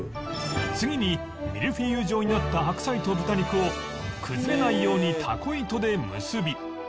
次にミルフィーユ状になった白菜と豚肉を崩れないようにたこ糸で結び